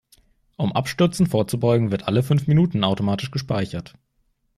Um Abstürzen vorzubeugen, wird alle fünf Minuten automatisch gespeichert.